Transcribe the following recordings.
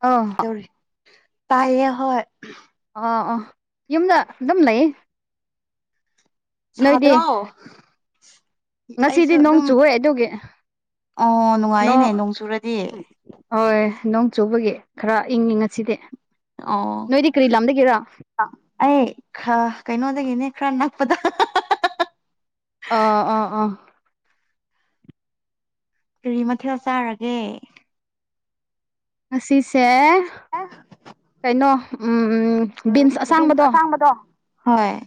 ꯑꯎ ꯇꯥꯏꯇꯦ ꯍꯣꯏ ꯑꯥ ꯑꯥ ꯌꯨꯝꯗ ꯑꯗꯨꯝ ꯂꯩꯌꯦ ꯅꯣꯏꯗꯤ ꯁꯥꯗ꯭ꯔꯣ ꯑꯩꯁꯨ ꯉꯁꯤꯗꯤ ꯅꯣꯡ ꯑꯗꯨꯝ ꯆꯨꯋꯦ ꯑꯗꯨꯒꯤ ꯑꯣ ꯅꯨꯡꯉꯥꯏꯌꯦꯅꯦ ꯅꯣꯡ ꯆꯨꯔꯗꯤ ꯍꯣꯏ ꯅꯣꯡ ꯆꯨꯕꯒꯤ ꯈꯔ ꯏꯪꯉ ꯉꯁꯤꯗꯤ ꯑꯣ ꯅꯣꯏꯗꯤ ꯀꯔꯤ ꯂꯝꯗꯒꯤꯔꯥ ꯑꯩ ꯈ ꯀꯩꯅꯣꯗꯒꯤꯅꯦ ꯈ ꯅꯄꯗ ꯑꯥ ꯑꯥ ꯑꯥ ꯀꯔꯤ ꯃꯊꯦꯜ ꯆꯥꯔꯒꯦ ꯉꯁꯤꯁꯦ ꯑꯦ ꯀꯩꯅꯣ ꯎꯝ ꯎꯝ ꯕꯤꯟꯁ ꯑꯁꯥꯡꯕꯗꯣ ꯍꯣꯏ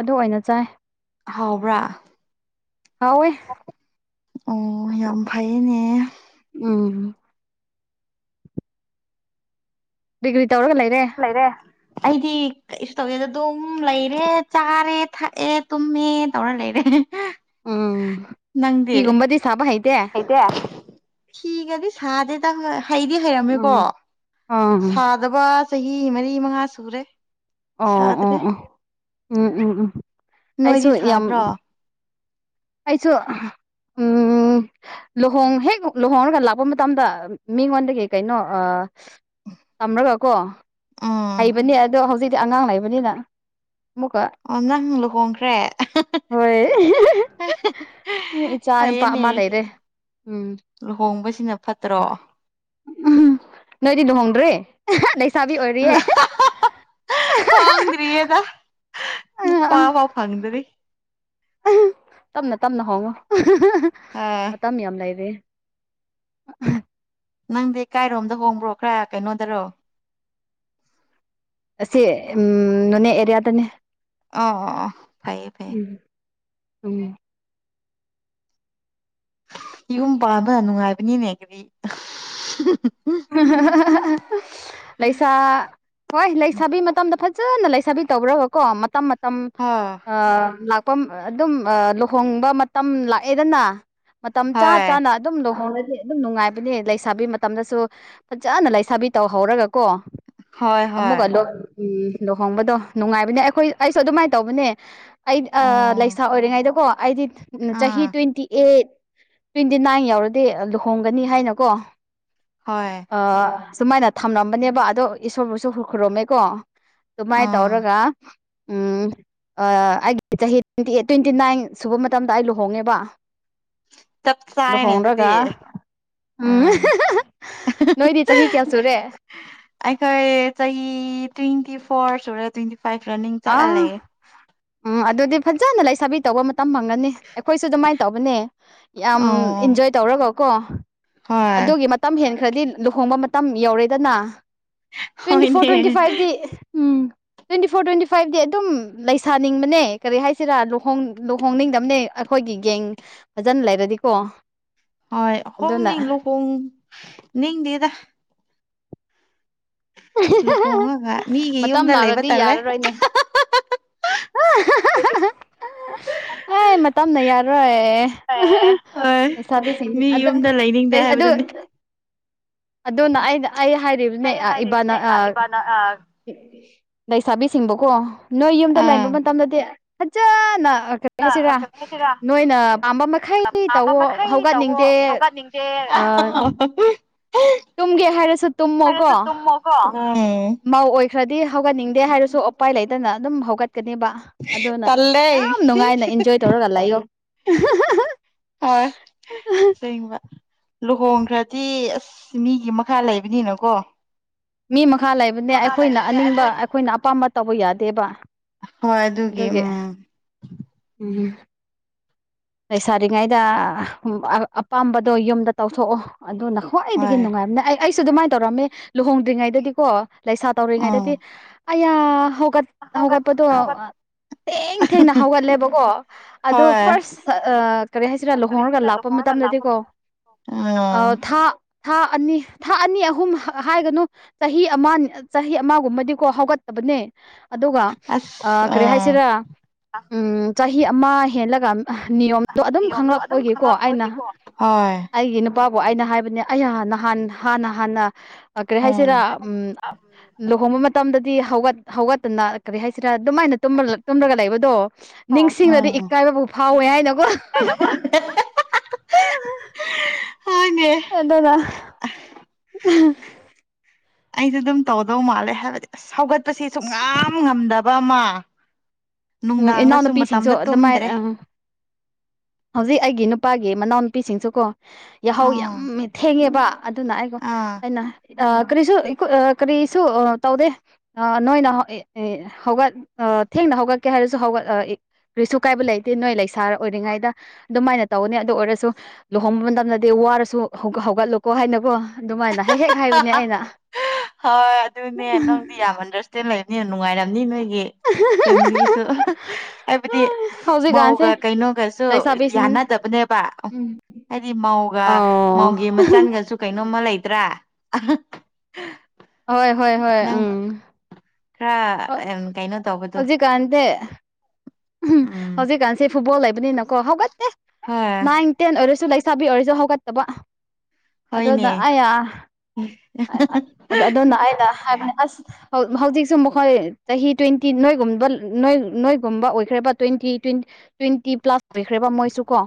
ꯑꯗꯨ ꯑꯣꯏꯅ ꯆꯥꯏ ꯍꯥꯎꯕ꯭ꯔꯥ ꯍꯥꯎꯏ ꯑꯣ ꯌꯥꯝ ꯐꯩꯌꯦꯅꯦ ꯑꯣ ꯗꯤꯒ꯭ꯔꯤ ꯇꯧꯔꯒ ꯂꯩꯔꯦ ꯑꯩꯗꯤ ꯀꯩꯁꯨ ꯇꯧꯋꯦꯗ ꯑꯗꯨꯝ ꯂꯩꯔꯦ ꯆꯥꯔꯦ ꯊꯛꯑꯦ ꯇꯨꯝꯃꯦ ꯇꯧꯔ ꯂꯩꯔꯦ ꯎꯝ ꯍꯤꯒ ꯑꯣꯝꯕꯗꯤ ꯁꯥꯕ ꯍꯥꯏ ꯑꯩꯗ ꯊꯒꯗꯤ ꯁꯥꯗꯦꯗ ꯍ ꯍꯩꯗꯤ ꯍꯩꯔꯝꯃꯦꯀꯣ ꯎꯝ ꯑꯥ ꯁꯥꯗꯕ ꯆꯍꯤ ꯃꯔꯤ ꯃꯉꯥ ꯁꯨꯔꯦ ꯑꯣ ꯑꯣ ꯁꯥꯗ꯭ꯔꯦ ꯑꯣ ꯎꯝ ꯎꯝ ꯎꯝ ꯑꯩꯁꯨ ꯅꯣꯏꯗꯤ ꯌꯥꯝ ꯁꯥꯕ꯭ꯔꯣ ꯑꯩꯥꯏꯁꯨꯣ ꯎꯝ ꯂꯨꯍꯣꯡ ꯍꯦꯛ ꯂꯨꯍꯣꯡꯔꯒ ꯂꯥꯛꯄ ꯃꯇꯝꯗ ꯃꯤꯉꯣꯟꯗꯒꯤ ꯀꯩꯅꯣ ꯇꯝꯔꯒ ꯀꯣ ꯎꯝ ꯍꯩꯕꯅꯦ ꯑꯗꯣ ꯍꯧꯖꯤꯛꯇꯤ ꯑꯉꯥꯡ ꯂꯩꯕꯅꯤꯅ ꯃꯨꯒꯥ ꯑꯣ ꯅꯪ ꯂꯨꯍꯣꯡꯈ꯭ꯔꯦ ꯍꯣꯏ ꯏꯆꯥ ꯅꯨꯄꯥ ꯑꯃ ꯐꯩꯌꯦꯅꯦ ꯂꯩꯔꯦ ꯎꯝ ꯂꯨꯍꯣꯡꯕꯁꯤꯅ ꯐꯠꯇ꯭ꯔꯣ ꯎꯝ ꯅꯣꯏꯗꯤ ꯅ ꯍꯣꯡꯔꯤ ꯂꯩꯁꯥꯕꯤ ꯑꯣꯏꯔꯤꯌꯦ ꯍꯣꯡꯗ꯭ꯔꯤꯌꯦꯗ ꯅꯨꯄꯥ ꯑꯥ ꯑꯥ ꯄꯎꯕ ꯐꯪꯗꯔꯤ ꯇꯞꯅ ꯇꯞꯅ ꯍꯣꯡꯉꯣ ꯑꯥ ꯃꯇꯝ ꯌꯥꯝ ꯂꯩꯔꯦ [unintelligible] ꯅꯪꯗꯤ ꯀꯥꯏꯔꯣꯝꯗ ꯍꯣꯡꯕ꯭ꯔꯣ ꯈꯔ ꯀꯩꯅꯣꯗꯔꯣ ꯑꯁꯤ ꯎꯝ ꯅꯣꯅꯦ ꯑꯦꯔꯤꯌꯥꯗꯅꯦ ꯑ ꯐꯩꯌꯦ ꯐꯩꯌꯦ ꯎꯝ ꯎꯝ ꯌꯨꯝ ꯄꯥꯟꯕ ꯅꯨꯡꯉꯥꯏꯕꯅꯤꯅꯦ ꯑꯗꯨꯗꯤ ꯂꯩꯁꯥ ꯍꯣꯏ ꯂꯩꯁꯥꯕꯤ ꯃꯇꯝꯗ ꯐꯖ ꯐꯖꯅ ꯂꯩꯁꯥꯕꯤ ꯇꯧꯕ꯭ꯔꯕ ꯀꯣ ꯃꯇꯝ ꯃꯇꯝ ꯍꯣꯏ ꯂ ꯑꯗꯨꯝ ꯂꯨꯍꯣꯡꯕ ꯃꯇꯝ ꯂꯥꯛꯑꯦꯗꯅ ꯃꯇꯝ ꯆꯥ ꯍꯣꯏ ꯆꯥꯅ ꯑꯗꯨꯝ ꯂꯨꯍꯣꯡꯡꯂꯗꯤ ꯑꯗꯨꯝ ꯅꯨꯡꯉꯥꯏꯕꯅꯦ ꯂꯩꯁꯥꯕꯤ ꯃꯇꯝꯗꯁꯨ ꯐꯖꯅ ꯂꯩꯁꯥꯕꯤ ꯇꯧꯍꯧꯔꯒ ꯀꯣ ꯍꯣꯏ ꯍꯣꯏ ꯑꯃꯨꯛꯀ ꯎꯝ ꯂꯨꯍꯣꯡꯕꯗꯣ ꯅꯨꯡꯉꯥꯏꯕꯅꯦ ꯑꯩꯈꯣꯏ ꯑꯩꯁꯨ ꯑꯗꯨꯃꯥꯏꯅ ꯇꯧꯕꯅꯦ ꯑꯩ ꯑꯣ ꯂꯩꯁꯥ ꯑꯣꯏꯔꯤꯉꯩꯗꯀꯣ ꯑꯩꯗꯤ ꯆꯍꯤ ꯑꯥ ꯇ꯭ꯋꯦꯟꯇꯤ ꯑꯩꯠ ꯇ꯭ꯋꯦꯟꯇꯤ ꯅꯥꯏꯟ ꯌꯥꯎꯔꯗꯤ ꯂꯨꯍꯣꯡꯒꯅꯤ ꯍꯥꯏꯅꯀꯣ ꯍꯣꯏ ꯑ ꯁꯨꯃꯥꯏꯅ ꯊꯝꯂꯝꯝꯕꯅꯦꯕ ꯑꯗꯣ ꯏꯁꯣꯔꯕꯨꯁꯨ ꯈꯔꯨꯝꯃꯦꯀꯣ ꯑꯗꯨꯃꯥꯏ ꯑꯥ ꯇꯧꯔꯒ ꯎꯝ ꯑ ꯑꯩꯒꯤ ꯆꯍꯤ ꯇ꯭ꯋꯦꯟꯇꯤꯑꯥꯏꯠ ꯇ꯭ꯋꯦꯟꯇꯤ ꯅꯥꯏꯟ ꯁꯨꯕ ꯃꯇꯝꯗ ꯑꯩ ꯂꯨꯍꯣꯡꯉꯦꯕ ꯆꯞ ꯆꯥꯏꯅꯤ ꯑꯗꯨꯤꯗꯤ ꯂꯨꯍꯣꯡꯔꯒ ꯎꯝ ꯅꯣꯏꯗꯤ ꯆꯍꯤ ꯀꯌꯥ ꯁꯨꯔꯦ [unintelligible] ꯑꯈꯣꯏ ꯆꯍꯤ ꯇ꯭ꯋꯦꯟ ꯇ꯭ꯋꯦꯟꯇꯤ ꯐꯣꯔ ꯁꯨꯔꯦ ꯇ꯭ꯋꯦꯟꯇꯤ ꯐꯥꯏꯚ ꯔꯟꯅꯤꯡ ꯆꯠꯂ ꯑꯥ ꯂꯩꯔꯦ ꯎꯝ ꯑꯗꯨꯗꯤ ꯐꯖꯅ ꯂꯩꯁꯥꯕꯤ ꯇꯧꯕ ꯃ ꯃꯇꯝ ꯐꯪꯒꯅꯤ ꯑꯩꯈꯣꯏꯁꯨ ꯑꯗꯨꯃꯥꯏꯅ ꯇꯧꯕꯅꯦ ꯌꯥꯝ ꯑꯣ ꯏꯟꯖꯣꯏ ꯇꯧꯔꯒꯀꯣ ꯍꯣꯏ ꯑꯗꯨꯒꯤ ꯃꯇꯝ ꯍꯦꯟ ꯍꯦꯟꯈ꯭ꯔꯗꯤ ꯂꯨꯍꯣꯡꯕ ꯃꯇꯝ ꯌꯧꯔꯦꯗꯅ ꯇ꯭ꯋꯦꯟꯇꯤ ꯐꯣꯔ ꯇ꯭ꯋꯦꯟꯇꯤ ꯍꯣꯏꯅꯦ fifty um twenty four twenty ꯁ꯭ꯋꯥꯏꯗꯤ ꯑꯗꯨꯝ ꯂꯩꯁꯥꯅꯤꯡꯕꯅꯦ ꯀꯔꯤ ꯍꯥꯏꯁꯤꯔ ꯂꯨꯍꯣꯡ ꯂꯨꯍꯣꯡꯅꯤꯡꯗꯕꯅꯦ ꯑꯩꯈꯣꯏꯒꯤ ꯌꯦꯡ ꯐꯖꯅ ꯂꯩꯔꯗꯤꯀꯣ ꯍꯣꯏ ꯍꯣꯡ ꯑꯗꯨꯅ ꯅꯤꯡ ꯂꯨꯍꯣꯡꯅꯤꯡꯗꯦꯗ [unintelligible] ꯂꯨꯍꯣꯡꯉꯒ ꯃꯤꯒꯤ ꯃꯇꯝ ꯌꯨꯝꯗ ꯂꯩꯕ ꯂꯥꯛꯂꯗꯤ ꯇꯜꯂꯦ ꯌꯥꯔꯔꯣꯏꯅꯦ [unintelligible] ꯑꯩ ꯃꯇꯝꯅ ꯌꯥꯔꯣꯏ ꯑꯦ ꯍꯣꯏ ꯂꯩꯁꯥꯕꯤꯁꯤꯡꯁꯤ ꯃꯤ ꯑꯗ ꯌꯨꯝꯗ ꯂꯩꯅꯤꯡꯗꯦ ꯑꯗꯨ ꯍꯥꯏꯕꯗꯨꯅꯤ ꯑꯗꯨꯅ ꯑꯩꯅ ꯑꯩ ꯍꯥꯏꯔꯤꯕꯅꯦ ꯑꯩ ꯏꯕꯥꯅ ꯍꯥꯏꯔꯤꯕꯅꯦ ꯑ ꯏꯕꯥꯅ ꯑꯥ ꯂꯩꯁꯥꯕꯤꯁꯤꯡꯕꯨꯀꯣ ꯅꯣꯏ ꯌꯨꯝꯗ ꯂꯩ ꯑꯥ ꯇꯦ ꯐꯖꯅ ꯀꯔꯤ ꯍꯥꯏꯁꯤꯔꯥ ꯀꯔꯤ ꯍꯥꯏꯁꯤꯔꯥ ꯅꯣꯏꯅ ꯄꯥꯝꯕ ꯃꯈꯩ ꯄꯥꯝꯕ ꯇꯧꯋꯣ ꯃꯈꯩ ꯇꯧꯋꯣ ꯍꯧꯒꯠꯅꯤꯡꯗꯦ ꯍꯧꯒꯠꯅꯤꯡꯗꯦ ꯑꯥ [unintelligible] ꯇꯨꯝꯒꯦ ꯍꯥꯏꯔꯁꯨ ꯇꯨꯝꯃꯣꯀꯣ ꯍꯥꯏꯔꯁꯨ ꯇꯨꯝꯃꯣꯀꯣ ꯎꯝ ꯈꯔꯗꯤ ꯍꯧꯒꯠꯅꯤꯡꯗꯦ ꯍꯥꯏꯔꯁꯨ ꯎꯄꯥꯏ ꯂꯩꯇꯅ ꯑꯗꯨꯝ ꯍꯧꯒꯠ ꯆꯠꯀꯅꯦꯕ ꯑꯗꯨꯅ ꯇꯜꯂꯦ ꯌꯥꯝ ꯅꯨꯡꯉꯥꯏꯅ ꯏꯟꯖꯣꯏ ꯇꯧꯔꯒ ꯂꯩꯌꯣ ꯍꯣꯏ ꯁꯦꯡꯕ ꯂꯨꯍꯣꯡꯈ꯭ꯔꯗꯤ ꯑꯁ ꯃꯤꯒꯤ ꯃꯈꯥ ꯂꯩꯕꯅꯤꯅꯀꯣ ꯃꯤ ꯃꯈꯥ ꯂꯩꯕꯅꯦ ꯃꯈꯥ ꯑꯩꯈꯣꯏꯅ ꯂꯩꯕꯅꯦ ꯑꯅꯤꯡꯕ ꯑꯩꯈꯣꯏꯅ ꯑꯄꯥꯝꯕ ꯇꯧꯕ ꯌꯥꯗꯦꯕ ꯍꯣꯏ ꯑꯗꯨꯒꯤ ꯎꯝ ꯎꯝ ꯂꯩꯁꯥꯔꯤꯉꯩꯗ ꯑꯄꯥꯝꯕꯗꯣ ꯌꯨꯝꯗ ꯇꯧꯊꯣꯛꯑꯣ ꯑꯗꯨꯗꯣ ꯅꯈꯣꯏꯋꯥ ꯑꯩꯗꯒꯤ ꯍꯣꯏ ꯅꯨꯡꯉꯥꯏꯕꯝꯅꯦ ꯑꯩ ꯑꯩꯁꯨ ꯑꯗꯨꯃꯥꯏꯅ ꯇꯧꯔꯝꯃꯦ ꯂꯨꯍꯣꯡꯗ꯭ꯔꯤꯉꯩꯗꯗꯤꯀꯣ ꯂꯩꯁꯥ ꯎꯝ ꯇꯧꯔꯤꯉꯩꯗꯗꯤ ꯑꯌꯥ ꯍꯧꯠ ꯍꯧꯒꯠ ꯍꯧꯒꯠꯄꯗꯣ ꯍꯧꯒꯠ ꯊꯦꯡ ꯊꯦꯡꯅ ꯍꯧꯒꯠꯂꯦꯕꯀꯣ ꯑꯗꯣ ꯍꯣꯏ ꯐꯥꯔꯁ ꯀꯔꯤ ꯍꯥꯏꯁꯤꯔꯥ ꯀꯔꯤ ꯂꯨꯍꯣꯡꯔꯒ ꯍꯥꯏꯁꯤꯔ ꯂꯥꯛꯄ ꯂꯨꯍꯣꯡꯔꯒ ꯂꯥꯛꯄ ꯃꯇꯝꯗꯗꯤꯀꯣ ꯑ ꯎꯝ ꯊꯥ ꯊꯥ ꯑꯅꯤ ꯊꯥ ꯑꯅꯤ ꯑꯍꯨꯝ ꯍꯥꯏꯒꯅꯨ ꯆꯍꯤ ꯑꯃ ꯆꯍꯤ ꯑꯃꯒꯨꯝꯕꯗꯤꯀꯣ ꯍꯧꯒꯠꯇꯕꯅꯦ ꯑꯗꯨꯒ ꯑꯁ ꯀꯔꯤ ꯎꯝ ꯍꯥꯏꯁꯤꯔ ꯎꯝ ꯆꯍꯤ ꯑꯃ ꯍꯦꯜꯂꯒ ꯅꯤꯌꯣꯝꯗꯣ ꯑꯗꯨꯝ ꯅꯤꯌꯣꯝꯗꯣ ꯑꯗꯨꯝ ꯈꯪꯂꯛꯄꯒꯤꯀꯣ ꯑꯩꯅ ꯈꯪꯂꯛꯄꯒꯤꯀꯣ ꯍꯣꯏ ꯑꯩꯒꯤ ꯅꯨꯄꯥ ꯑꯣꯣ ꯑꯩꯅ ꯍꯥꯏꯕꯅꯦ ꯑꯩ ꯅꯍꯥꯟ ꯍꯥꯟꯅ ꯍꯥꯟꯅ ꯀꯔꯤ ꯎꯝ ꯍꯥꯏꯁꯤꯔ ꯎꯝ ꯂꯨꯍꯣꯡꯕ ꯃꯇꯝꯗ ꯗꯤ ꯍꯧꯒꯠ ꯍꯧꯒꯠꯇꯅ ꯀꯔꯤ ꯍꯥꯏꯁꯤꯔꯥ ꯑꯗꯨꯃꯥꯏꯅ ꯇꯨꯝꯂꯒ ꯂꯩꯕꯗꯣ ꯅꯤꯡꯁꯤꯡꯅꯗꯤ ꯎꯝ ꯏꯀꯥꯏꯕꯕꯨꯥꯎ ꯐꯥꯎꯋꯦ ꯍꯥꯏꯅꯀꯣ ꯑ ꯍꯣꯏꯅꯦ ꯑꯦꯗꯅ ꯑꯩꯁꯨ ꯑꯗꯨꯝ ꯇꯧꯗꯧ ꯃꯥꯜꯂꯦ ꯍꯥꯏꯕꯗꯤ ꯑꯁ ꯍꯧꯒꯠꯄꯁꯦ ꯁꯨꯡ ꯌꯥꯝ ꯉꯝꯗꯕ ꯑꯃ ꯎꯝ ꯅꯨꯡꯗꯥꯡꯅꯁꯨ ꯏꯅꯥꯎꯅꯨꯄꯤꯁꯤꯡꯁꯨ ꯃꯇꯝꯗ ꯑꯗꯨꯃꯥꯏ ꯇꯨꯝꯗ꯭ꯔꯦ ꯍꯧꯖꯤꯛ ꯑꯩꯒꯤ ꯅꯨꯄꯥꯒꯤ ꯃꯅꯥꯎꯅꯨꯄꯤꯁꯤꯡꯁꯨꯀꯣ ꯌꯥꯍꯧ ꯌꯥꯝ ꯎꯝ ꯊꯦꯡꯉꯦꯕ ꯑꯗꯨꯅ ꯑꯩꯒꯣ ꯑꯥ ꯑꯩꯅ ꯀꯔꯤꯁꯨ ꯀꯔꯤꯁꯨ ꯇꯧꯗꯦ ꯅꯣꯏꯅ ꯍꯧꯒꯠ ꯊꯦꯡꯅ ꯍꯧꯒꯠꯀꯦ ꯍꯥꯏꯔꯁꯨ ꯍꯧꯒꯠꯂ ꯔꯤꯁꯨ ꯀꯥꯏꯕ ꯂꯩꯇꯦ ꯅꯣꯏ ꯂꯩꯁꯥꯔ ꯑꯣꯏꯔꯤꯉꯩꯗ ꯑꯗꯨꯃꯥꯏꯅ ꯇꯧꯅꯤ ꯑꯗꯨ ꯑꯣꯏꯔꯁꯨ ꯂꯨꯍꯣꯡꯕ ꯃꯇꯝꯗꯗꯤ ꯋꯥꯔꯁꯨ ꯍꯧꯒꯠꯂꯣꯀꯣ ꯍꯥꯏꯅꯀꯣ ꯑꯗꯨꯃꯥꯏꯅ ꯍ ꯍꯦꯛ ꯍꯥꯏꯕꯅꯦ ꯑꯩꯅ ꯍꯣꯏ ꯑꯗꯨꯅꯦ ꯅꯪꯗꯤ ꯌꯥꯝ ꯑꯟꯗꯔꯁꯇꯦꯟ ꯂꯩꯔꯅꯤ ꯌꯥꯝ ꯅꯨꯡꯉꯥꯏꯔꯝꯅꯤ ꯅꯣꯏ ꯦ ꯐꯦꯃꯤꯂꯤꯁꯨ ꯍꯥꯏꯕꯗꯤ ꯍꯧꯖꯤꯛꯀꯥꯟꯁꯦ ꯃꯧꯒ ꯀꯩꯅꯣꯒꯁꯨ ꯂꯩꯁꯥꯕꯤꯁꯤꯡ ꯌꯥꯅꯗꯕꯅꯦꯕ ꯎꯝ ꯍꯥꯏꯗꯤ ꯃꯧꯒ ꯑ ꯃꯧꯒꯤ ꯃꯆꯟꯒꯁꯨ ꯀꯩꯅꯣ ꯅꯃ ꯂꯩꯇ꯭ꯔꯥ ꯍꯣꯏ ꯍꯣꯏ ꯍꯣꯏ ꯅꯪ ꯎꯝ ꯈꯔ ꯍ ꯎꯝ ꯀꯩꯅꯣ ꯇꯧꯕꯗꯣ ꯍꯧꯖꯤꯛꯀꯥꯟꯗꯦ ꯎ ꯎꯝ ꯍꯧꯖꯤꯛꯀꯥꯟꯁꯦ ꯐꯨꯠꯕꯣꯜ ꯂꯩꯕꯅꯤꯅꯀꯣ ꯍꯧꯒꯠꯇꯠꯇꯦ ꯍꯣꯏ ꯅꯥꯏꯟ ꯇꯦꯟ ꯑꯣꯏꯔꯁꯨ ꯂꯩ ꯁꯥꯕꯤ ꯑꯣꯏꯔꯁꯨ ꯍꯧꯒꯠꯇꯕ ꯑꯗꯨꯅ ꯍꯣꯏꯅꯦ ꯑꯌꯥ ꯑ ꯑꯗꯨꯅ ꯑꯩꯅ ꯍꯥꯏꯕꯅꯤ ꯑꯁ ꯍꯧꯖꯤꯛꯁꯨ ꯃꯈꯣꯏ ꯆꯍꯤ ꯇ꯭ꯋꯦꯟꯇꯤ ꯅꯣꯏꯒꯨꯝꯕ ꯅꯣꯏꯒꯨꯝꯕ ꯑꯣꯏꯈ꯭ꯔꯕ ꯇ꯭ꯋꯦꯟꯇꯤ ꯇ꯭ꯋꯦꯟꯇꯤ ꯇ꯭ꯋꯦꯟꯇꯤ ꯄ꯭ꯂꯥꯁ ꯑꯣꯏꯈ꯭ꯔꯦꯕ ꯃꯣꯏꯁꯨ ꯀꯣ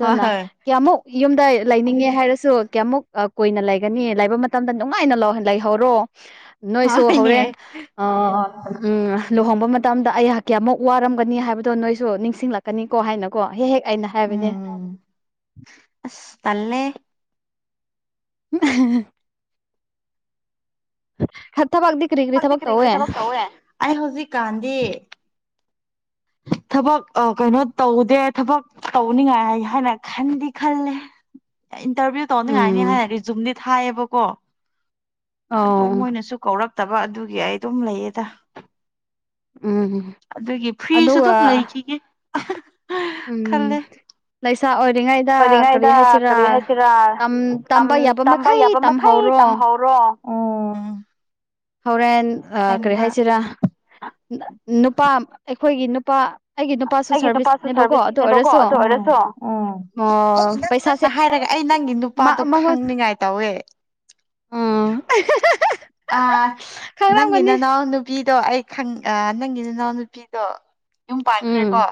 ꯍꯣꯏ ꯍꯣꯏ ꯀꯌꯥꯃꯨꯛ ꯌꯨꯝꯗ ꯂꯩꯅꯤꯡꯉꯦ ꯍꯥꯏꯔꯁꯨ ꯀꯌꯥꯃꯨꯛ ꯀꯨꯏꯅ ꯂꯩꯒꯅꯤ ꯂꯥꯏꯕ ꯃꯇꯝꯗ ꯅꯨꯡꯉꯥꯏꯅ ꯂꯩꯍꯧꯔꯣ ꯅꯣꯏꯁꯨ ꯍꯣꯏꯅꯦ ꯍꯣꯔꯦꯟ ꯎꯝ ꯂꯨꯍꯣꯡꯕ ꯃꯇꯝꯗ ꯑꯩꯍꯥꯛꯀꯤꯃꯨꯛ ꯋꯥꯔꯝꯒꯅꯤ ꯍꯥꯏꯕꯗꯣ ꯅꯣꯏꯁꯨ ꯅꯤꯡꯁꯤꯡꯂꯛꯀꯅꯤꯀꯣ ꯍꯥꯏꯅꯀꯣ ꯍꯦꯛ ꯍꯦꯛ ꯑꯩꯅ ꯍꯥꯏꯕꯅꯦ ꯎꯝ ꯑ ꯇꯂꯦ [unintelligible] ꯍꯥꯏꯕꯗꯤ ꯊꯕꯛ ꯀꯔꯤ ꯀꯔꯤ ꯇꯧꯋꯦ ꯊꯕꯛ ꯇꯧꯋꯦ ꯑꯩ ꯍꯧꯖꯤꯛꯀꯥꯟꯗꯤ [inaudible] ꯊꯕꯛ ꯑꯥ ꯀꯩꯅꯣ ꯇꯧꯗꯦ ꯊꯕꯛ ꯇꯧꯅꯤꯡꯉꯥꯏ ꯍꯥꯏꯅ ꯈꯟꯗꯤ ꯈꯜꯂꯦ [unintelligible] ꯏꯟꯇꯔꯚ꯭ꯌꯨ ꯇꯧꯅꯤꯡꯉꯥꯏꯅꯤ ꯎꯝ ꯍꯥꯏꯔ ꯔꯤꯖꯨꯝꯗꯤ ꯊꯥꯏꯌꯦꯕꯀꯣ ꯑꯗꯣ ꯑꯧ ꯃꯣꯏꯅꯁꯨ ꯀꯧꯔꯛ ꯇꯕ ꯑꯗꯨꯒꯤ ꯑꯩ ꯑꯗꯨꯝ ꯂꯩꯌꯦꯗ ꯎꯝ ꯑꯗꯨꯒꯤ ꯐ꯭ꯔꯤꯁꯨ ꯑꯗꯨꯝ ꯑꯗꯨꯒ ꯂꯩꯈꯤꯒꯦ ꯎꯝ ꯈꯜꯂꯦ ꯂꯩꯥꯏꯁꯥ ꯑꯣꯏ ꯔꯤꯉꯩꯗ ꯀꯔꯤ ꯑꯣꯏꯔꯤꯉꯩꯗ ꯍꯥꯏꯁꯤꯔꯥ ꯀꯔꯤ ꯍꯥꯏꯁꯤꯔꯥ ꯇꯝꯕ ꯌꯥꯕ ꯇꯝꯕ ꯃꯈꯩ ꯌꯥꯕ ꯃꯈꯩ ꯇꯝꯍꯧꯔꯣ ꯇꯝꯍꯧꯔꯣ ꯎꯝ ꯍꯣꯔꯦꯟ ꯀꯔꯤ ꯁꯦꯡꯕ ꯍꯥꯏꯁꯤꯔꯥ ꯅꯨꯄꯥ ꯑꯩꯈꯣꯏꯒꯤ ꯅꯨꯄꯥ ꯑꯩꯒꯤ ꯅꯨꯄꯥꯁꯨ ꯑꯩꯒꯤ ꯅꯨꯄꯥꯁꯨ ꯁꯥꯔꯚꯤꯁꯅꯦꯕꯀꯣ ꯑꯗꯨ ꯁꯥꯔꯚꯤꯁꯅꯦꯕꯀꯣ ꯑꯣꯏꯔꯁꯨ ꯑꯗꯨ ꯑꯣꯏꯔꯁꯨ ꯎꯝ ꯑꯣ ꯅꯪ ꯄꯩꯁꯥꯁꯦ ꯅꯪꯅ ꯍꯥꯏꯔꯒ ꯑꯩ ꯅꯪꯒꯤ ꯅꯨꯄꯥꯗꯣ ꯃꯥ ꯃꯉꯣꯟ ꯈꯪꯅꯤꯡꯉꯥꯏ ꯇꯧꯋꯦ ꯎꯝ ꯑ ꯅꯪꯒꯤ ꯈꯪꯔꯝꯒꯅꯤ ꯅꯅꯥꯎꯅꯨꯄꯤ ꯗꯣ ꯑꯩ ꯈꯪ ꯑꯥꯥ ꯅꯪ ꯒꯤ ꯅꯅꯥꯎꯅꯨꯄꯤꯗꯣ ꯌꯨꯝ ꯄꯥꯟꯈ꯭ꯔꯦꯀꯣ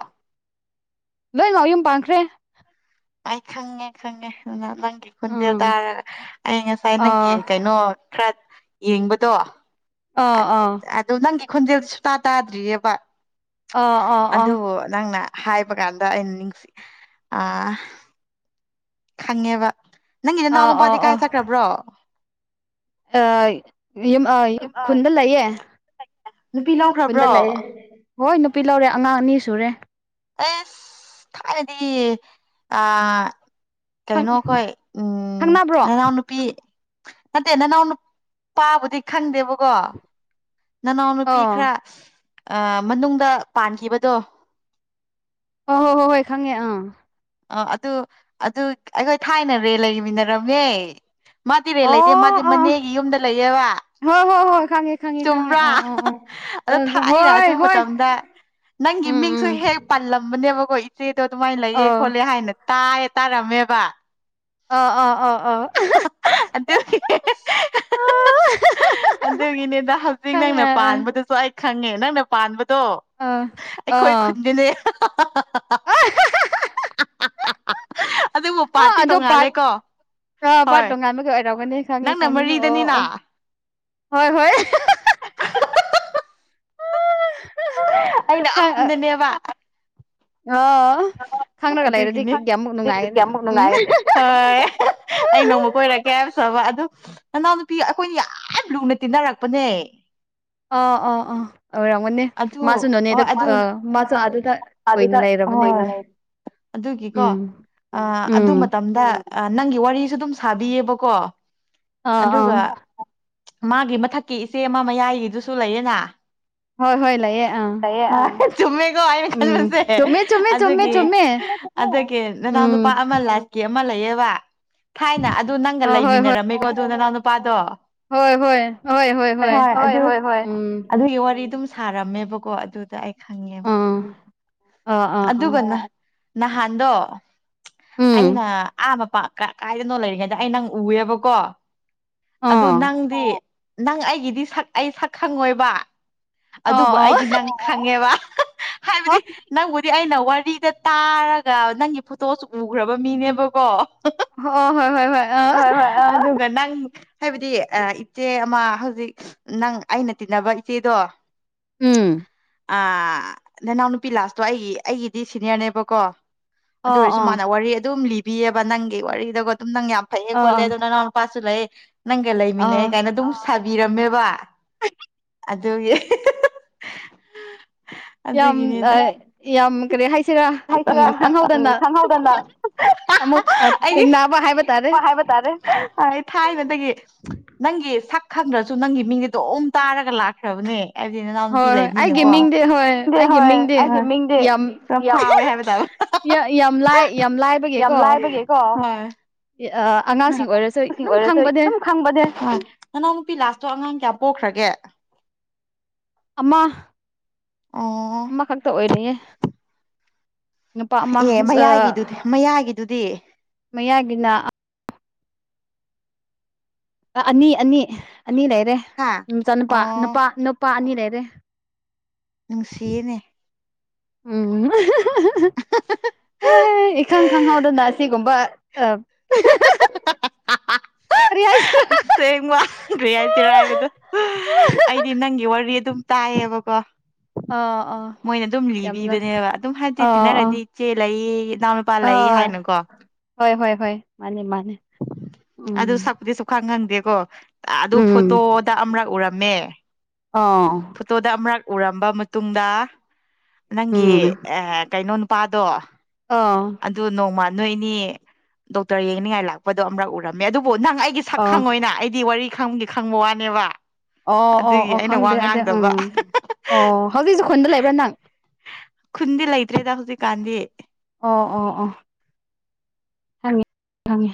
ꯂꯣꯏꯃꯛ ꯌꯨꯝ ꯄꯥꯟꯈ꯭ꯔꯦ ꯑꯩ ꯈꯪꯉꯦ ꯈꯪꯉꯦ ꯎ ꯅꯪꯒꯤ ꯈꯨꯟꯖꯦꯜ ꯎꯝ ꯇꯥꯔꯒ ꯑꯩ ꯉꯁꯥꯏ ꯅꯪꯒꯤ ꯑꯥ ꯀꯩꯅꯣ ꯈꯔ ꯌꯦꯡꯕꯗꯣ ꯑꯥ ꯑꯥ ꯑꯗꯨ ꯅꯪꯒꯤ ꯈꯣꯟꯖꯦꯜ ꯁꯨꯇꯥ ꯇꯥꯗ꯭ꯔꯤꯑꯕ ꯑꯥ ꯑꯥ ꯑꯥ ꯑꯗꯨꯕꯨ ꯅꯪꯅ ꯍꯥꯏꯕ ꯀꯥꯟꯗ ꯑꯩꯅ ꯅꯤꯡꯁꯤ ꯑ ꯈꯪꯉꯦꯕ ꯅꯪꯒꯤ ꯅꯅꯥꯎ ꯑꯥ ꯅꯨꯄꯥꯗꯤ ꯀꯥꯏ ꯆꯠꯈ꯭ꯔꯕ꯭ꯔꯣ꯫ ꯑ ꯌꯨꯝ ꯑ ꯈꯨꯟꯗ ꯂꯩꯌꯦ꯫ ꯅꯨꯄꯤ ꯈꯨꯟꯗ ꯂꯧꯈ꯭ꯔꯕ꯭ꯔꯣ꯫ ꯂꯩꯌꯦ ꯍꯣꯏ ꯅꯨꯄꯤ ꯂꯧꯔꯦ ꯑꯉꯥꯡ ꯑꯅꯤ ꯁꯨꯔꯦ꯫ ꯑꯦꯁ ꯊꯥꯏꯅꯗꯤ ꯑ ꯈꯪ ꯀꯩꯅꯣ ꯑꯩꯈꯣꯏ ꯎꯝ ꯈꯪꯅꯕ꯭ꯔꯣ ꯅꯅꯥꯎ ꯅꯨꯄꯤ ꯅꯠꯇꯦ ꯅꯅꯥꯎ ꯅꯨꯄꯥꯕꯨꯗꯤ ꯈꯪꯗꯦꯕꯀꯣ ꯅꯅꯥꯎꯅꯨꯄꯤ ꯑꯣ ꯈꯔ ꯑ ꯃꯅꯨꯡꯗ ꯄꯥꯟꯈꯤꯕꯗꯣ ꯍꯣ ꯍꯣ ꯍꯣ ꯍꯣꯏ ꯈꯪꯉꯦ ꯑ꯫ ꯑ ꯑꯗꯨ ꯑꯗꯨ ꯑꯩꯈꯣꯏ ꯊꯥꯏꯅ ꯔꯦꯟ ꯂꯩꯃꯤꯟꯅꯔꯝꯃꯦ ꯃꯥ ꯇꯤ ꯔꯦꯜ ꯂꯩꯇꯦ ꯑꯣ ꯃꯥꯗꯤ ꯑꯥ ꯃꯅꯦꯒꯤ ꯌꯨꯝꯗ ꯂꯩꯌꯦꯕ ꯍꯣꯏ ꯍꯣꯏ ꯍꯣꯏ ꯈꯪꯉꯦ ꯈꯪꯉꯦ ꯈꯪꯉꯦ ꯆꯨꯝꯕ꯭ꯔꯥ ꯑꯥ ꯑꯥ ꯑꯥ ꯑꯗꯣ ꯊꯥꯏꯅ ꯍꯣꯏ ꯑꯗꯨ ꯍꯣꯏ ꯃꯇꯝꯗ ꯅꯪꯒꯤ ꯎꯝ ꯃꯤꯡꯁꯨ ꯎꯝ ꯍꯦꯛ ꯄꯜꯂꯝꯕꯅꯦꯕ ꯍꯣꯏ ꯏꯆꯦꯗꯣ ꯑꯗꯨꯃꯥꯏꯅ ꯂꯩꯌꯦ ꯑꯥ ꯈꯣꯠꯂꯦ ꯍꯥꯏꯅ ꯇꯥꯏꯌꯦ ꯇꯥꯔꯝꯃꯦꯕ ꯑꯣ ꯑꯣ ꯑꯣ ꯑꯣ [unintelligible] ꯑꯗꯨꯒꯤꯅꯦꯗ ꯍꯧꯖꯤꯛ ꯈꯪꯉꯦ ꯅꯪꯅ ꯑꯥ ꯄꯥꯟꯕꯗꯁꯨ ꯑꯩ ꯈꯪꯉꯦ ꯅꯪꯅ ꯄꯥꯟꯕ ꯇꯣ ꯑꯥ ꯑꯩꯈꯣꯏ ꯑꯥ ꯈꯨꯟꯗꯅꯦ ꯑꯗꯨꯕꯨ ꯑꯥ ꯄꯥꯔꯇꯤ ꯑꯗꯣ ꯄꯥꯔꯠ ꯇꯣꯡꯉꯥꯜꯂꯦꯀꯣ ꯑ ꯄꯥꯔꯠ ꯍꯣꯏ ꯇꯣꯉꯥꯟꯕꯒ ꯑꯣꯏꯔꯝ ꯈꯉꯦ ꯅꯪꯅ ꯈꯉꯦ ꯑꯣ ꯃꯔꯤꯗꯅꯤꯅ ꯑꯣ ꯍꯣꯏ ꯍꯣꯏ [unintelligible] ꯑꯩꯅ ꯈꯪ ꯑ ꯑꯍꯨꯝꯗꯅꯦꯕ ꯑꯣ ꯈꯪꯔꯒ ꯂꯩꯔꯗꯤ ꯑꯗꯨꯒꯤꯅꯤ ꯀꯌꯥꯃꯨꯛ ꯅꯨꯡꯉꯥꯏꯒꯅꯤ [unintelligible] ꯑꯃꯨꯛ ꯎꯝ ꯅꯨꯡꯉꯥꯏꯔꯅꯤ ꯍꯣꯏ [unintelligible] ꯑꯩ ꯅꯣꯡꯃ ꯀꯣꯏꯔꯛꯀꯦ [unintelligible] ꯑꯗꯨ ꯅꯅꯥꯎꯅꯨꯄꯤ ꯑꯩꯈꯣꯏꯅꯤ ꯌꯥꯝ ꯂꯨꯅ ꯇꯤꯟꯅꯔꯛꯄꯅꯦ ꯑ ꯑꯑ ꯑꯣꯏꯔꯝꯒꯅꯤ ꯃꯥꯁꯨ ꯅꯣꯅꯦꯗ ꯑ ꯃꯥꯖꯨ ꯑꯥꯗ ꯑꯗꯨꯗ [unintelligible] ꯑꯗꯨꯒꯤꯀꯣ ꯎꯝ ꯑ ꯑꯗꯨ ꯎꯝ ꯃꯇꯝꯗ ꯑ ꯅꯪꯒꯤ ꯋꯥꯔꯤꯁꯨ ꯑꯗꯨꯝ ꯁꯥꯕꯤꯌꯦꯕꯀꯣ꯫ ꯑꯥ ꯑꯥ꯫ ꯑꯗꯨꯒ ꯃꯥꯒꯤ ꯃꯊꯛꯀꯤ ꯏꯆꯦ ꯑꯃ ꯃꯌꯥꯏꯒꯤꯗꯨꯁꯨ ꯂꯩꯌꯦꯅ ꯍꯣꯏ ꯍꯣꯏ ꯂꯥꯩꯌꯦ ꯑ [unintelligible] ꯑꯩꯅ ꯈꯟꯕꯁꯦ ꯆꯨꯝꯃꯦ ꯆꯨꯝꯃꯦ ꯑꯗꯨꯒꯤ ꯆꯨꯝꯃꯦ ꯑꯗꯨꯒꯤ ꯅꯅꯥꯎ ꯎꯝ ꯅꯨꯨꯄꯥ ꯑꯃ ꯂꯥꯛꯀꯦ ꯑꯃ ꯂꯩꯌꯦꯕ ꯊꯥꯏꯅ ꯑꯗꯨ ꯅꯪꯒ ꯑ ꯍꯣꯏ ꯍꯣꯏ ꯂꯩꯃꯤꯟꯅꯔꯝꯃꯦꯀꯣ ꯑꯗꯨ ꯅꯅꯥꯎ ꯅꯨꯄꯥꯗꯣ꯫ ꯍꯣꯏ ꯍꯣꯏ ꯍꯣꯏ ꯍꯣꯏ [unintelligible] ꯍꯣꯏ ꯍꯣꯢ ꯍꯣꯏ ꯍꯣꯏ ꯎꯝ ꯑꯗꯨꯒꯤ ꯋꯥꯔꯤ ꯑꯗꯨꯝ ꯁꯥꯔꯝꯃꯦꯕꯀꯣ ꯑꯗꯨꯗ ꯑꯩ ꯈꯪꯉꯦ꯫ ꯑꯥ ꯑꯥ ꯑꯥ ꯑꯥ ꯑꯗꯨꯒꯅ ꯅꯍꯥꯟꯗꯣ ꯎꯝ ꯑꯩꯅ ꯑꯥ ꯃꯄꯥ ꯀꯥꯏꯗꯅꯣ ꯂꯩꯔꯤꯉꯩꯗ ꯑꯩ ꯅꯪ ꯎꯋꯦꯕꯀꯣ꯫ ꯑꯥ ꯑꯗꯨ ꯅꯪꯗꯤ ꯅꯪ ꯑꯩꯒꯤꯗꯤ ꯁꯛ ꯑꯩ ꯁꯛ ꯈꯪꯉꯣꯏꯕ꯫ ꯑꯥ ꯑꯗꯨꯕꯨ ꯑꯥ ꯑꯩꯗꯤ ꯅꯪ ꯈꯪꯉꯦꯕ ꯑꯥ ꯍꯥꯏꯕꯗꯤ ꯅꯪꯕꯨꯗꯤ ꯑꯩꯅ ꯋꯥꯔꯤꯗ ꯇꯥꯔꯒ ꯅꯪꯒꯤ ꯐꯣꯇꯣꯁꯨ ꯎꯒ꯭ꯔꯕ ꯃꯤꯅꯦꯕꯀꯣ꯫ [unintelligible] ꯍꯣꯏ ꯍꯣꯏ ꯍꯣꯏ ꯑ ꯍꯣꯏ ꯍꯣꯏ ꯑꯗꯨꯒ ꯅꯪ ꯍꯥꯏꯕꯗꯤ ꯄ ꯏꯆꯦ ꯃꯥ ꯍꯧꯖꯤꯛ ꯅꯪ ꯑꯩꯅ ꯇꯤꯟꯅꯕ ꯏꯆꯦꯗꯣ ꯎꯝ꯫ ꯑ ꯅꯅꯥꯎ ꯅꯨꯄꯤ ꯂꯥꯛꯄꯗꯣ ꯑꯩꯒꯤ ꯑꯩꯒꯤꯗꯤ ꯁꯤꯅꯤꯌꯔꯅꯦꯕꯀꯣ ꯑꯗꯨ ꯑꯣ ꯑꯣꯏꯔꯁꯨ ꯑꯣ ꯃꯥꯅ ꯋꯥꯔꯤ ꯑꯗꯨꯝ ꯂꯤꯕꯤꯌꯦꯕ ꯅꯪꯒꯤ ꯋꯥꯔꯤꯗ [unintelligible] ꯑꯗꯨꯝ ꯅꯪ ꯌꯥꯝ ꯐꯩꯌꯦ ꯈꯣꯠꯂꯦ ꯑꯣ ꯑꯗꯨ ꯅꯅꯥꯎ ꯅꯨꯄꯥꯁꯨ ꯂꯩ ꯅꯪꯒ ꯂꯩꯃꯤꯟꯅꯩ ꯑꯥ ꯀꯥꯏꯅ ꯑꯗꯨꯝ ꯁꯥꯕꯤꯔꯝꯃꯦꯕ ꯑꯗꯨꯒꯤ [unintelligible] ꯌꯥꯝ ꯑꯗꯨꯒꯤꯅꯤꯗ ꯌꯥꯝ ꯀꯔꯤ ꯍꯥꯏꯁꯤꯔꯥ [unintelligible] ꯎꯝ ꯈꯪꯍꯧꯗꯅ ꯈꯪꯍꯧꯗꯅ ꯑꯃꯨꯛ ꯑ [unintelligible] ꯑꯩꯒꯤ ꯊꯦꯡꯅꯕ ꯍꯥꯏꯕ ꯇꯥꯔꯦ ꯍꯣꯏ ꯍꯥꯏꯕ ꯇꯥꯔꯦ ꯍꯣꯢ ꯊꯥꯏꯅꯗꯒꯤ ꯅꯪꯒꯤ ꯁꯛ ꯈꯪꯗ꯭ꯔꯖꯨ ꯅꯪꯒꯤ ꯃꯤꯡꯗꯤ ꯑꯗꯨꯝ ꯇꯥꯔꯒ ꯂꯥꯛꯈ꯭ꯔꯕꯅꯦ ꯍꯥꯏꯕꯗꯤ ꯅꯅꯥꯎ ꯅꯨꯄꯤ ꯍꯣꯏ ꯍꯣꯏ ꯑꯩꯒꯤ ꯂꯩꯕꯅꯤꯅꯀꯣ꯫ ꯃꯤꯡꯗꯤ ꯍꯣꯏ ꯑꯩꯒꯤ ꯍꯣꯏ ꯃꯤꯡꯗꯤ ꯑꯩꯒꯤ ꯃꯤꯡꯗꯤ ꯌꯥꯝ ꯐꯥꯎꯋꯦ ꯍꯥꯏꯕ ꯇꯥꯔꯦ ꯌꯥ ꯌꯥꯝ ꯂꯥꯏ ꯌꯥꯝ [unintelligible] ꯌꯥꯝ ꯂꯥ ꯂꯥꯏꯕꯒꯤꯀꯣ ꯕꯒꯦ ꯀꯣ ꯏ ꯑ ꯑꯉꯥꯡꯁꯤꯡ ꯑꯣꯏꯔꯁꯨ ꯁꯤ ꯑꯗꯨꯝ ꯑꯣꯏꯔꯛ ꯇꯣꯏ ꯈꯪꯕꯅꯦ ꯗꯨꯝ ꯈꯪꯕꯅꯦ ꯅꯨꯄꯤ ꯂꯥꯁꯇꯣ ꯑꯉꯥꯡ ꯀꯌꯥ ꯄꯣꯛꯈ꯭ꯔꯒꯦ ꯑꯃ ꯑꯣ ꯑꯃꯈꯛꯇ ꯑꯣꯏꯔꯤꯌꯦ ꯅꯨꯄꯥ ꯑꯃ ꯑꯦ ꯃꯌꯥꯏꯒꯤꯗꯨꯗꯤ ꯃꯌꯥꯏꯒꯤꯗꯨꯗꯤ ꯃꯌꯥꯒꯤꯅ ꯑꯅꯤ ꯑꯅꯤ ꯑꯅꯤ ꯂꯩꯔꯦ ꯍꯥ ꯃꯆꯥꯅꯨꯄꯥ ꯑꯣ ꯅꯨꯄꯥ ꯅꯨꯄꯥ ꯑꯅꯤ ꯂꯩꯔꯦ ꯅꯨꯡꯁꯤꯌꯦꯅꯦ ꯎꯝ ꯑꯦ ꯏꯈꯪ ꯈꯪꯍꯥꯎꯗꯅ ꯁꯤꯒꯨꯝꯕ ꯑ ꯀꯔꯤ ꯍꯥꯏꯁꯤꯔꯥ ꯁꯦꯡꯅ ꯀꯥꯔꯤ ꯍꯥꯏꯁꯦꯔ ꯍꯥꯏꯕꯗꯣ ꯑꯩꯗꯤ ꯅꯪꯒꯤ ꯋꯥꯔꯤ ꯑꯗꯨꯝ ꯇꯥꯏꯌꯦꯕꯀꯣ ꯑꯥ ꯑꯥ ꯃꯣꯏꯅ ꯑꯗꯨꯝ ꯌꯥꯝꯅ ꯂꯤꯕꯤꯕꯅꯦꯕ ꯑꯗꯨꯝ ꯍꯥꯏꯗꯤ ꯑꯥ ꯑꯥ ꯇꯤꯟꯅꯔꯗꯤ ꯏꯆꯦ ꯂꯩ ꯏꯅꯥꯎ ꯅꯨꯨꯄꯥ ꯂꯩ ꯑꯥ ꯍꯥꯏꯅꯀꯣ ꯍꯣꯏ ꯍꯣꯏ ꯍꯣꯏ ꯃꯥꯅꯤ ꯃꯥꯅꯤ ꯑꯗꯨ ꯎꯝ ꯁꯛꯄꯨꯗꯤ ꯁꯨꯈꯪ ꯈꯪꯗꯦꯀꯣ ꯑꯗꯨ ꯎꯝ ꯐꯣꯇꯣꯗ ꯑꯃꯔꯛ ꯎꯔꯝꯃꯦ ꯑꯥ ꯐꯣꯇꯣꯗ ꯑꯃꯔꯛ ꯎꯔꯝꯕ ꯃꯇꯨꯡꯗ ꯅꯪꯒꯤ ꯎꯝ ꯀꯩꯅꯣ ꯄꯥꯗꯣ ꯑꯥ ꯑꯗꯨ ꯅꯣꯡꯃ ꯅꯣꯏꯅꯤ ꯗꯣꯛꯇꯔ ꯌꯦꯡꯅꯤꯡꯉꯥꯏ ꯂꯥꯛꯄꯗꯣ ꯑꯃꯛ ꯎꯔꯝꯃꯦ ꯑꯗꯨ ꯕꯨ ꯅꯪ ꯑꯩꯒꯤ ꯁꯛ ꯑꯥ ꯈꯪꯉꯣꯏꯅ ꯑꯩꯗꯤ ꯋꯥꯔꯤ ꯈꯪꯕꯒꯤ ꯈꯪꯕ ꯋꯥꯅꯦꯕ ꯑꯣ ꯑꯣ ꯑꯗꯨꯒꯤ ꯑꯣ ꯑꯩꯅ ꯋꯥ ꯈꯪꯗꯦ ꯑꯗ ꯎꯝ ꯉꯥꯡꯗꯕ ꯑꯣ ꯍꯧꯖꯤꯛꯁꯨ ꯈꯨꯟꯗ ꯂꯩꯕ꯭ꯔꯥ ꯅꯪ ꯈꯨꯟꯗꯤ ꯂꯩꯇ꯭ꯔꯦꯗ ꯍꯧꯖꯤꯛꯀꯥꯟꯗꯤ ꯑ ꯑ ꯑ ꯈꯪꯉꯦ